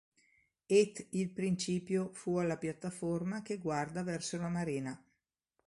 Et il principio fu alla piattaforma che guarda verso la marina.